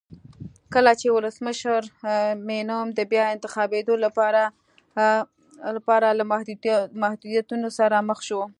کله چې ولسمشر مینم د بیا انتخابېدو لپاره له محدودیتونو سره مخ شو.